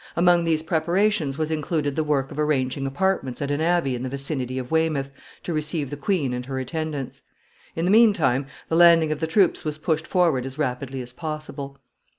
Among these preparations was included the work of arranging apartments at an abbey in the vicinity of Weymouth to receive the queen and her attendants. In the mean time, the landing of the troops was pushed forward as rapidly as possible.